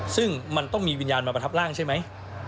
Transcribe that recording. ซึ่งมันต้องมีวิญญาณมาประทับร่างใช่ไหม